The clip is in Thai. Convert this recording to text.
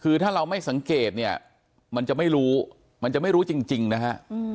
คือถ้าเราไม่สังเกตเนี่ยมันจะไม่รู้มันจะไม่รู้จริงนะฮะ